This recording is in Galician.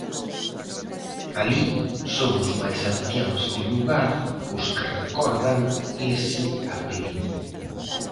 Alí son os máis anciáns do lugar os que recordan ese apelido.